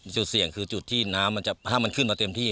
จุดเสี่ยงคือจุดที่น้ำมันจะห้ามมันขึ้นมาเต็มที่